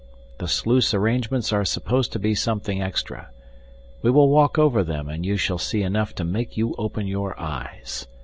The sluice arrangements are supposed to be something extra. We will walk over them and you shall see enough to make you open your eyes.